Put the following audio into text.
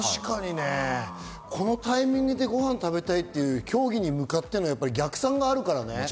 このタイミングでご飯を食べたいという、競技に向かっての逆算があるからね。